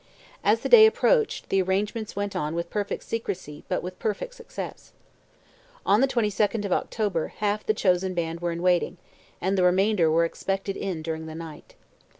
As the day approached, the arrangements went on with perfect secrecy but with perfect success. On the 22nd of October half the chosen band were in waiting, and the remainder were expected in during the night.